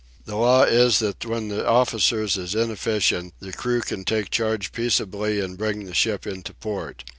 "The law is that when the officers is inefficient, the crew can take charge peaceably an' bring the ship into port.